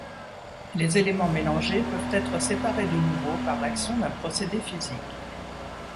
Les éléments mélangés peuvent être séparés de nouveau par l’action d'un procédé physique.